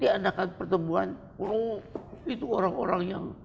diandalkan pertemuan itu orang orang yang